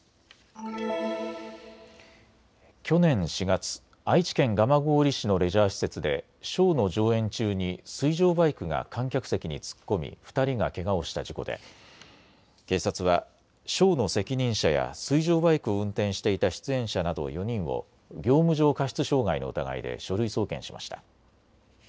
去年４月、愛知県蒲郡市のレジャー施設でショーの上演中に水上バイクが観客席に突っ込み２人がけがをした事故で警察はショーの責任者や水上バイクを運転していた出演者など４人を業務上過失傷害の疑いで書類送検しました。